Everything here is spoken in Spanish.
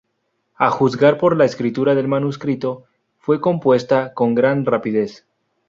A juzgar por la escritura del manuscrito, fue compuesta con gran rapidez.